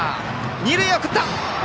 二塁へ送った！